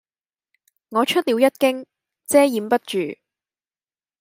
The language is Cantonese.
我出了一驚，遮掩不住；